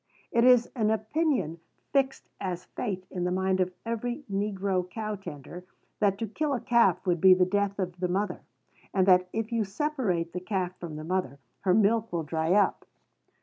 It is an opinion fixed as fate in the mind of every negro cow tender, that to kill a calf would be the death of the mother; and that, if you separate the calf from the mother, her milk will dry up.